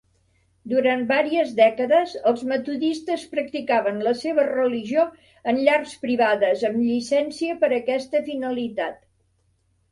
Durant varies dècades, els metodistes practicaven la seva religió en llars privades amb llicència per a aquesta finalitat.